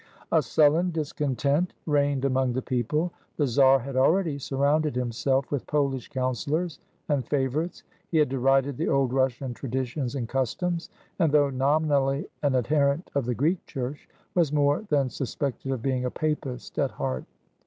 A sullen discontent reigned among the people. The czar had already surrounded himself with PoHsh coun selors and favorites; he had derided the old Russian traditions and customs, and, though nominally an ad herent of the Greek Church, was more than suspected of being a Papist at heart.